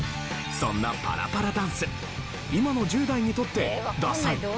そんなパラパラダンス今の１０代にとってダサい？